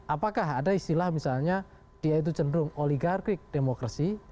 apakah ada istilah misalnya dia itu cenderung oligarkrik demokrasi